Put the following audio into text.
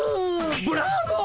ブラボー！